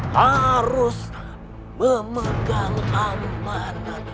harus memegang amanah